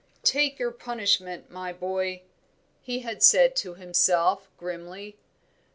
"Take your punishment, my boy," he had said to himself, grimly.